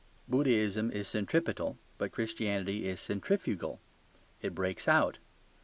Buddhism is centripetal, but Christianity is centrifugal: it breaks out.